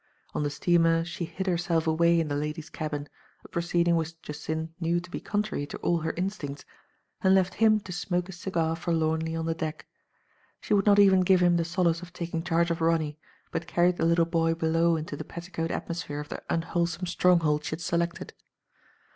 On the steamer she hid herself away in the ladies* cabin, a proceeding which Jacynth knew to be contrary to all her instincts, and left him to smoke his cigar forlornly on the deck. She would not even give him the solace of taking charge of Ronny, but carried the little boy below into the petticoat atmosphere of the unwholesome stronghold she had selected.